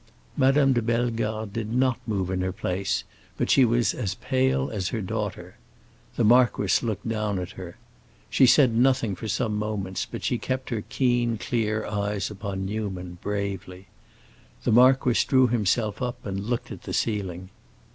Madame de Bellegarde did not move in her place, but she was as pale as her daughter. The marquis looked down at her. She said nothing for some moments, but she kept her keen, clear eyes upon Newman, bravely. The marquis drew himself up and looked at the ceiling.